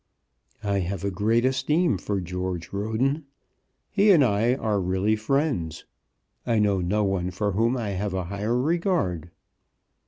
"I have a great esteem for George Roden. He and I are really friends. I know no one for whom I have a higher regard."